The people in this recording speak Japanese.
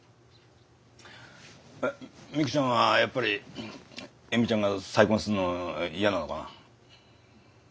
未来ちゃんはやっぱり恵美ちゃんが再婚すんの嫌なのかな？